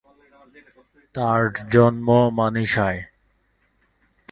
তার জন্ম মানিসায়।